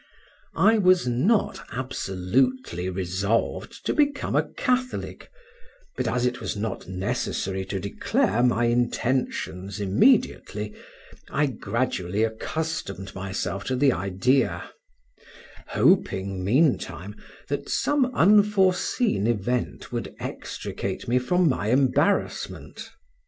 I was not absolutely resolved to become a Catholic, but, as it was not necessary to declare my intentions immediately, I gradually accustomed myself to the idea; hoping, meantime, that some unforeseen event would extricate me from my embarrassment.